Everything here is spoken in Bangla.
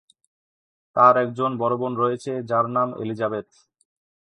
তার একজন বড় বোন রয়েছে, যার নাম এলিজাবেথ।